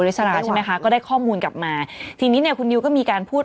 ริสราใช่ไหมคะก็ได้ข้อมูลกลับมาทีนี้เนี่ยคุณนิวก็มีการพูด